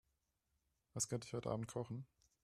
Was könnte ich heute Abend kochen?